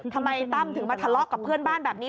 ตั้มถึงมาทะเลาะกับเพื่อนบ้านแบบนี้